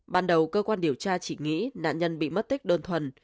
ban đầu cơ quan điều tra chỉ nghĩ nạn nhân bị mất tích đơn thuần